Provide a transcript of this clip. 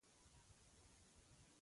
خو ستا مهرباني ډېره زیاته ده.